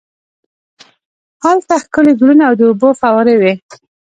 هلته ښکلي ګلونه او د اوبو فوارې وې.